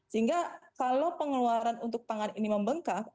sehingga kalau pengeluaran untuk pangan ini membengkak